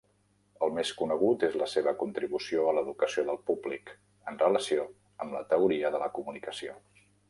El més conegut és la seva contribució a l'educació del públic, en relació amb la teoria de la comunicació.